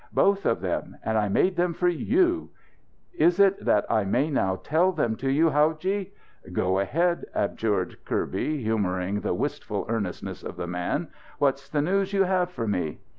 Both of them. And I made them for you. Is it that I may now tell them to you, howadji?" "Go ahead," adjured Kirby, humouring the wistful eagerness of the man. "What's the news you have for me?"